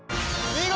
見事！